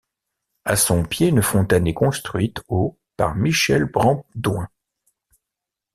À son pied, une fontaine est construite au par Michel Brandouin.